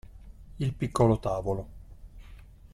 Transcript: Il piccolo tavolo.